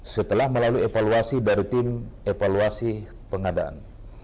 setelah melalui evaluasi dari tim evaluasi pengadaan